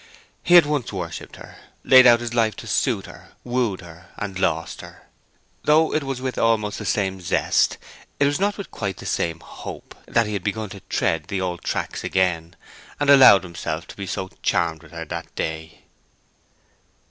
He had once worshipped her, laid out his life to suit her, wooed her, and lost her. Though it was with almost the same zest, it was with not quite the same hope, that he had begun to tread the old tracks again, and allowed himself to be so charmed with her that day.